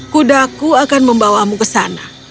kudaku akan membawamu ke sana